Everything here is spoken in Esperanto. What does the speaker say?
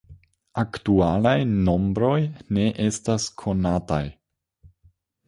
Aktualaj nombroj ne estas konataj.